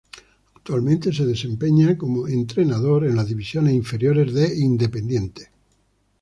Actualmente se desempeña como entrenador en las divisiones inferiores de Independiente.